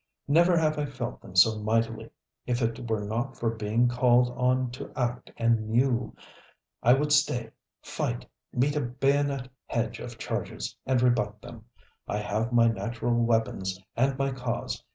Never have I felt them so mightily. If it were not for being called on to act and mew, I would stay, fight, meet a bayonet hedge of charges and rebut them. I have my natural weapons and my cause.